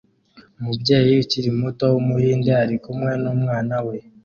Umubyeyi ukiri muto wumuhinde ari kumwe numwana we